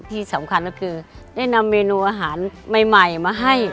ที่สำคัญก็คือได้นำเมนูอาหารใหม่มาให้